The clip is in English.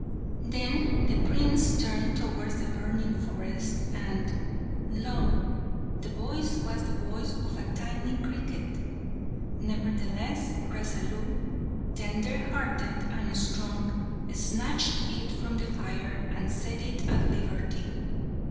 Then the Prince turned towards the burning forest, and, lo! the voice was the voice of a tiny cricket. Nevertheless, Rasalu, tender hearted and strong, snatched it from the fire and set it at liberty.